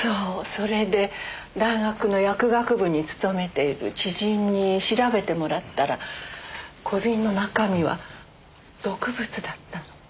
それで大学の薬学部に勤めている知人に調べてもらったら小瓶の中身は毒物だったの。